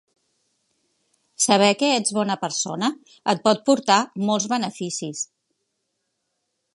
Saber que ets bona persona et pot portar molts beneficis